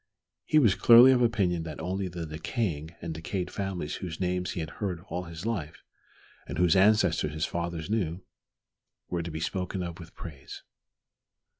He was clearly of opinion that only the decaying and decayed families whose names he had heard all his life, and whose ancestors his fathers knew, were to be spoken of with praise.